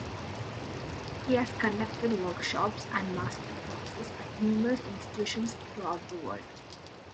He has conducted workshops and master classes at numerous institutions throughout the world.